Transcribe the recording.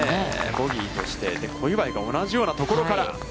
ボギーとして、小祝が同じようなところから。